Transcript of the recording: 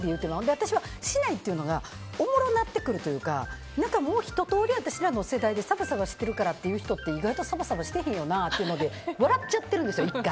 私はしないというのがおもろなってくるというかもう一通り私らの世代でサバサバしてるっていう人ってサバサバしてへんよなって笑っちゃってるんですよ、１回。